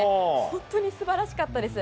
本当にすばらしかったです。